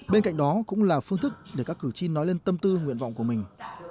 bên cạnh đó cũng là phương thức để các cử tri nói lên tâm tư nguyện vọng của mình